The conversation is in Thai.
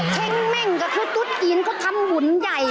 เช่งกละคือดูดอีนก็ทำหุ่นใหญ่